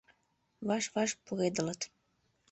Ваш-ваш пуредылыт.